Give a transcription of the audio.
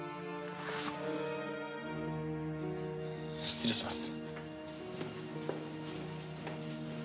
失礼します。